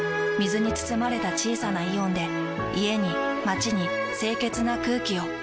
水に包まれた小さなイオンで家に街に清潔な空気を。